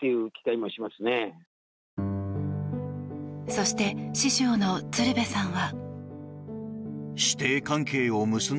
そして師匠の鶴瓶さんは。